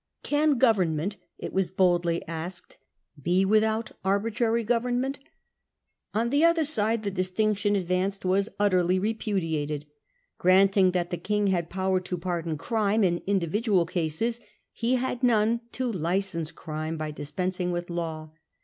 'Can government,' it was boldly asked, 'be without arbitrary government ?' On the other side the dis tinction advanced was utterly repudiated. Granting that the King had power to pardon crime in individual cases, he had none to license crime by dispensing with law.